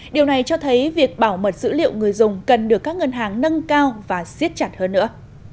điều này cho thấy việc bảo mật dữ liệu người dùng cần được các ngân hàng nâng cao và xiết chặt hơn nữa